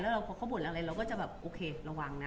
แล้วเราพอเขาบ่นอะไรเราก็จะแบบโอเคระวังนะอะไรอย่างงี้